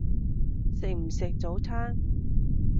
食唔食早餐？